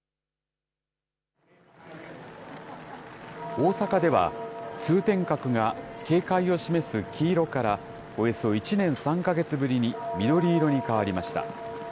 大阪では、通天閣が警戒を示す黄色から、およそ１年３か月ぶりに緑色に変わりました。